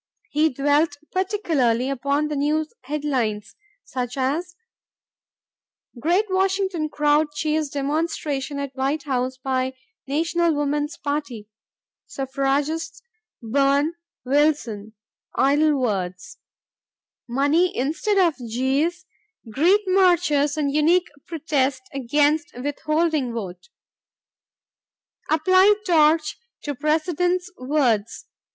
He dwelt particularly upon the news headlines, such as, "Great Washington Crowd Cheers Demonstration at White House by National Woman's Party." ... "Suffragists Burn Wilson 'Idle Words' ..." "Money Instead of Jeers Greet Marchers and Unique Protest Against Withholding Vote" ... "Apply Torch to President's Words